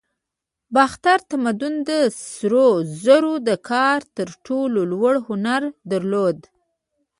د باختر تمدن د سرو زرو د کار تر ټولو لوړ هنر درلود